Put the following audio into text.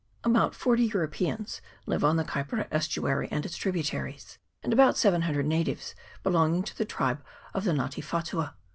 About forty Europeans live on the Kaipara estuary and its tributaries, and about 700 natives belonging to the tribe of the Nga te Whatua.